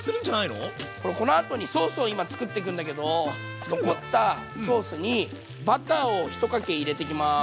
これこのあとにソースを今作っていくんだけど残ったソースにバターをひとかけ入れていきます。